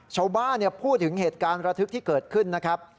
ชาวบ้านพูดถึงเหตุการณ์ระทึกที่เกิดขึ้นนะครับ